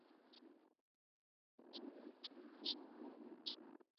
El nombre elegido significa impresor en ruso.